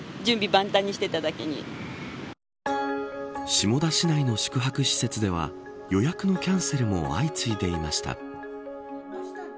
下田市内の宿泊施設では予約のキャンセルも相次いでいました。